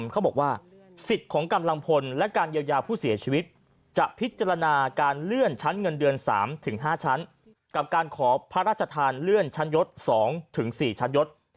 การขอพระราชทานเลื่อนชั้นยศ๒๔ชั้นยศ